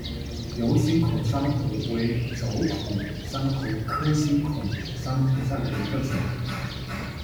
疣星孔珊瑚为轴孔珊瑚科星孔珊瑚下的一个种。